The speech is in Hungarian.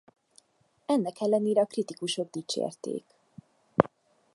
Ennek ellenére a kritikusok dicsérték.